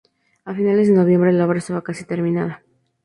A finales de noviembre, la obra estaba casi terminada.